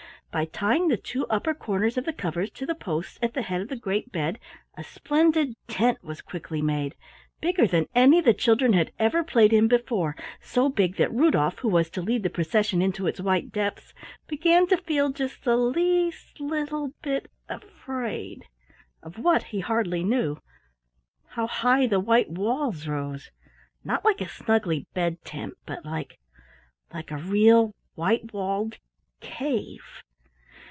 By tying the two upper corners of the covers to the posts at the head of the great bed a splendid tent was quickly made, bigger than any the children had ever played in before, so big that Rudolf, who was to lead the procession into its white depths, began to feel just the least little bit afraid, of what he hardly knew. How high the white walls rose! Not like a snuggly bed tent, but like like a real white walled cave.